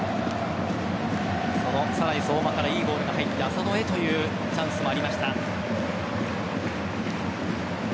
相馬からいいボールが入って浅野へというチャンスもありました。